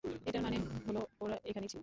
এটার মানে হলো ওরা এখানেই ছিল।